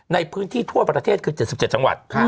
ในพื้นที่ทั่วประเทศคือ๗๗จังหวัด